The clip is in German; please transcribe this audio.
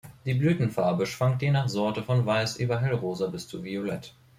Die Blütenfarbe schwankt je nach Sorte von weiß über hellrosa bis zu violett.